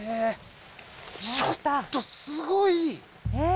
ちょっとすごい！え！